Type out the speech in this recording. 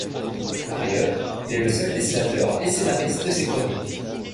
Par ailleurs, il est le seul dessinateur et scénariste de ses chroniques.